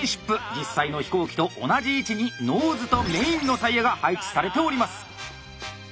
実際の飛行機と同じ位置に「ノーズ」と「メイン」のタイヤが配置されております。